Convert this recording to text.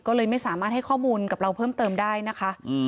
ก็เลยไม่สามารถให้ข้อมูลกับเราเพิ่มเติมได้นะคะ